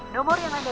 nomor yang ada tujuh